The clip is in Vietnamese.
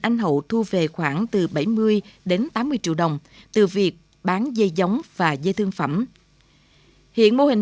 anh hậu thu về khoảng từ bảy mươi đến tám mươi triệu đồng từ việc bán dây giống và dây thương phẩm hiện mô hình